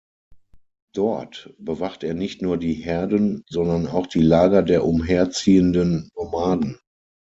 Dort bewacht er nicht nur die Herden, sondern auch die Lager der umherziehenden Nomaden.